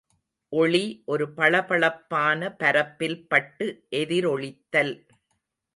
ஒளி ஒரு பளபளப்பான பரப்பில் பட்டு எதிரொளித்தல்.